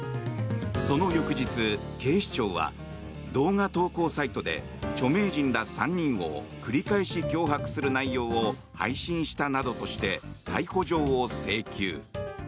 その翌日、警視庁は動画投稿サイトで著名人ら３人を繰り返し脅迫する内容を配信したなどとして逮捕状を請求。